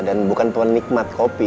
dan bukan tuan nikmat kopi